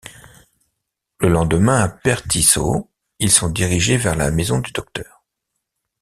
Le lendemain, à Pertisau, ils sont dirigés vers la maison du Dr.